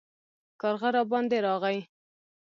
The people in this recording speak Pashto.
کارغه راباندې راغی